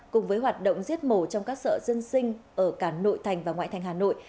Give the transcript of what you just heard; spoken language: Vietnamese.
cùng với hoạt động giết mổ trong các sợi dân sinh ở cả nội thành và ngoại thành hà nội